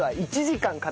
１時間。